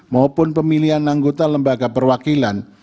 maupun pemilihan anggota lembaga perwakilan